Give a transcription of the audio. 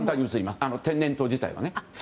天然痘自体はね。